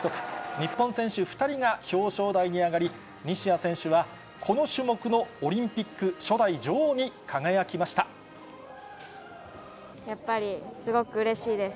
日本選手２人が表彰台に上がり、西矢選手は、この種目のオリンピやっぱりすごくうれしいです。